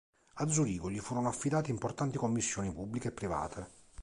A Zurigo gli furono affidate importanti commissioni pubbliche e private.